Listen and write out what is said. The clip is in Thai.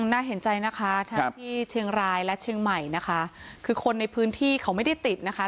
น่าเห็นใจนะคะทั้งที่เชียงรายและเชียงใหม่นะคะคือคนในพื้นที่เขาไม่ได้ติดนะคะ